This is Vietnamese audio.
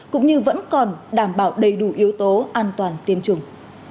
cũng như vẫn còn đảm bảo đầy đủ yếu tố an toàn tiêm chủng